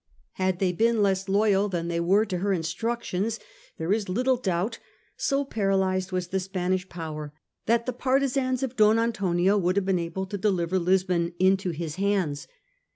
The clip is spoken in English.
Had they been less loyal than they were to her instnic tions, there is little doubt, so paralysed was the Spanish power, that the partisans of Don Antonio would have been able to deliver Lisbon into his hands.